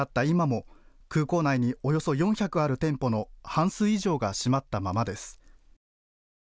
今も空港内におよそ４００ある店舗の半数以上が閉まったままです。